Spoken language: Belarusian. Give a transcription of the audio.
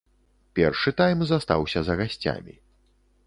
Першы тайм застаўся за гасцямі.